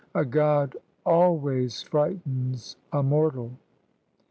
A god always frightens a mortal."